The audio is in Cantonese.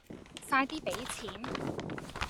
快啲俾錢